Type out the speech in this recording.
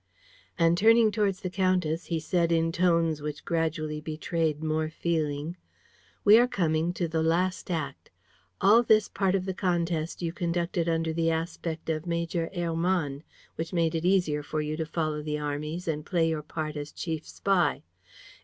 And, turning towards the countess, he said, in tones which gradually betrayed more feeling: "We are coming to the last act. All this part of the contest you conducted under the aspect of Major Hermann, which made it easier for you to follow the armies and play your part as chief spy.